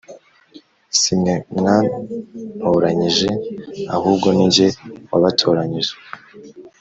Si mwe mwantoranyije ahubwo ni njye wabatoranyije